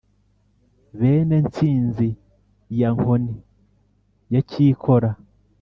Bene Ntsinzi ya Nkoni ya Cyikora